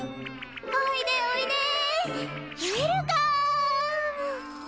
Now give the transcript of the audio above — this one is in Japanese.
おいでおいで！ウェルカム！